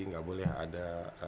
gak boleh ada